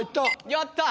やった！